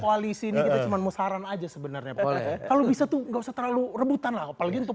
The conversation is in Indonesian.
koalisi cuman mau saran aja sebenarnya kalau bisa tuh nggak usah terlalu rebutan lagi untuk